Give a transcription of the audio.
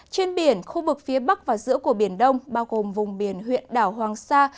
trên biển khu vực phía bắc và giữa của biển đông bao gồm vùng biển huyện đảo hoàng sa